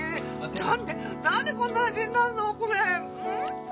なんでなんでこんな味になんの？